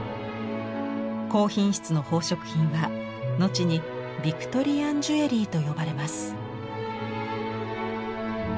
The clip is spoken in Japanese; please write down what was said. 高品質の宝飾品は後に「ヴィクトリアンジュエリー」と呼ばれます。